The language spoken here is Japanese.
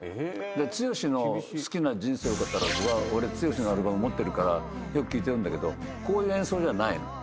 剛の好きな『人生を語らず』は俺剛のアルバム持ってるからよく聴いてるんだけどこういう演奏じゃないの。